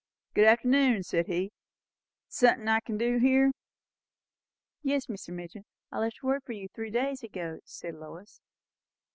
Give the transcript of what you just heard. "Good arternoon!" said he. "Sun'thin' I kin do here?" "Yes, Mr. Midgin I left word for you three days ago," said Lois.